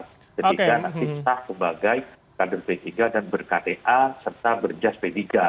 jadi kita nanti setah kebagai kader p tiga dan berkate a serta berjas p tiga